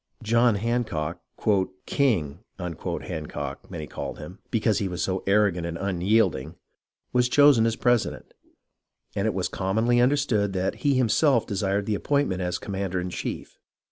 John Hancock, " King " Hancock many called him, because he was so arrogant and unyielding, was chosen president ; and it was commonly understood that he himself desired the appointment as commander in chief.